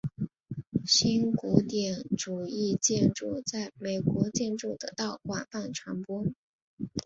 新古典主义建筑在美国建筑得到广泛传播。